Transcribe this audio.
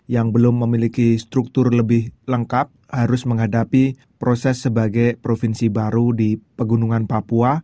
yang belum memiliki struktur lebih lengkap harus menghadapi proses sebagai provinsi baru di pegunungan papua